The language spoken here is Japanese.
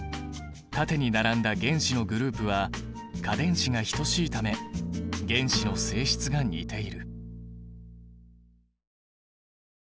縦に並んだ原子のグループは価電子が等しいため原子の性質が似ている。